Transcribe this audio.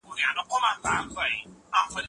موږ د خپل تاریخ او کلتور درناوی کوو.